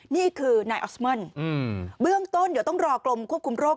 นี่คือนายออสเมิลเบื้องต้นเดี๋ยวต้องรอกรมควบคุมโรค